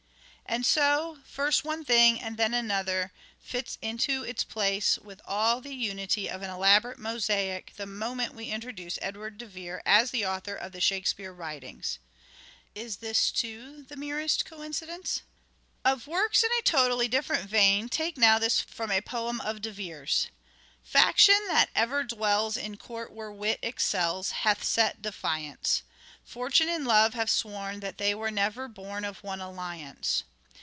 And so, first one thing and then another fits into its place with all the unity of an elaborate mosaic the moment we introduce Edward de Vere as the author of the Shakespeare writings. Is this too the merest coincidence ? Fortune and Qf works in a totally different vein take now this Nature. from a poem of De Vere's :—" Faction that ever dwells In court where wit excels Hath set defiance. Fortune and love have sworn That they were never born Of one alliance.